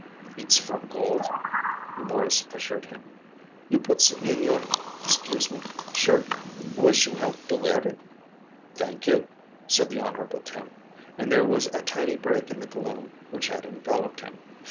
"It's from gold," Morris assured him. "You puts it in your 'scuse me shirt. Wish you health to wear it." "Thank you," said the Honorable Tim, and there was a tiny break in the gloom which had enveloped him.